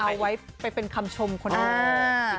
เอาไว้ไปเป็นคำชมคนอื่นสิคะ